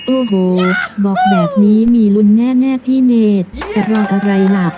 โอ้โหบอกแบบนี้มีลุ้นแน่พี่เนธจะรออะไรล่ะ